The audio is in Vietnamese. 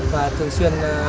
và thường xuyên